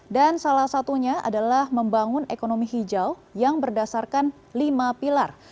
dan salah satunya adalah membangun ekonomi hijau yang berdasarkan lima pilar